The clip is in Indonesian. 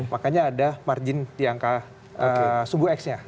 makanya ada margin di angka subuh x nya